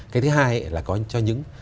cái thứ hai là cho những